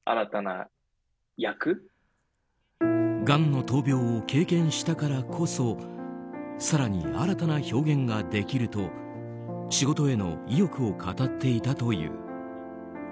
がんの闘病を経験したからこそ更に新たな表現ができると仕事への意欲を語っていたという。